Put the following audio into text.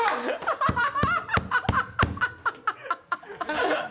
ハハハハ！